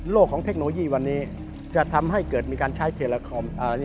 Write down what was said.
ของเทคโนโลยีวันนี้จะทำให้เกิดมีการใช้เทลาคอม